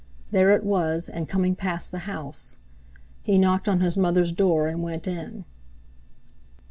There it was, and coming past the house! He knocked on his mother's door and went in.